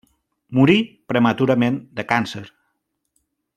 Morí prematurament de càncer.